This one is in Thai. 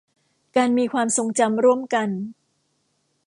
การมีความทรงจำร่วมกัน